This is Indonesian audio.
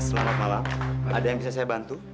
selamat malam ada yang bisa saya bantu